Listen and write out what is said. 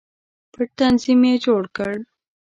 پټ تنظیم یې جوړ کړ.